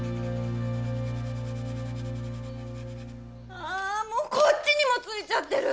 あこっちにもついちゃってる！